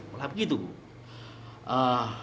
malah begitu bu